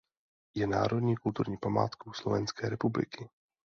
Je národní kulturní památkou Slovenské republiky.